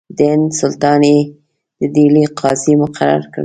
د هند سلطان یې د ډهلي قاضي مقرر کړ.